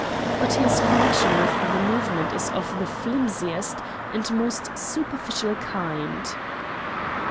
But his connection with the movement is of the flimsiest and most superficial kind."